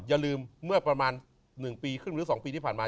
อย่าลืมเมื่อประมาณ๑๒ปีที่ผ่านมา